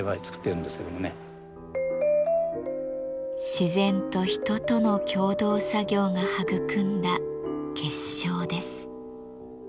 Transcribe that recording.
自然と人との共同作業が育んだ結晶です。